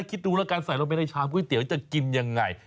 คิดดูแล้วกันใส่ลงไปในชามก๋วยเตี๋ยวจะกินยังไง